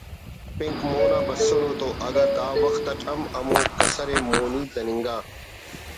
پنک مون آ بسنو تو اگہ دا وخت اٹ ہم ہمو کسر ءِ مونی دننگا